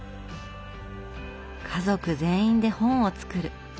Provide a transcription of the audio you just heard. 家族全員で本を作る。